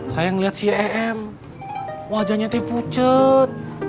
saya ngeliat si em wajahnya tepucet